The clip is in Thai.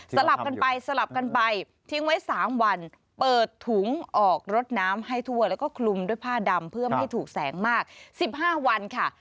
ลับกันไปสลับกันไปทิ้งไว้๓วันเปิดถุงออกรดน้ำให้ทั่วแล้วก็คลุมด้วยผ้าดำเพื่อไม่ให้ถูกแสงมาก๑๕วันค่ะ